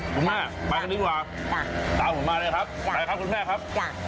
คุณแม่มากันดีกว่าจ้ะตามผมมาเลยครับไปครับคุณแม่ครับจ้ะ